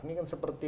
ini kan seperti